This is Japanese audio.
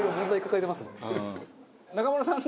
中丸さん